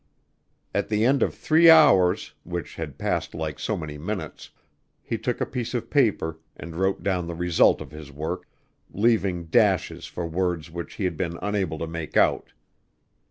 At the end of three hours, which had passed like so many minutes, he took a piece of paper and wrote down the result of his work, leaving dashes for words which he had been unable to make out.